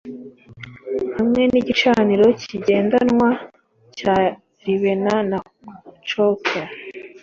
hamwe nigicaniro kigendanwa cya ribena na coke